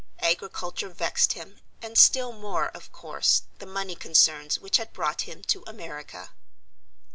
Agriculture vexed him, and still more, of course, the money concerns which had brought him to America.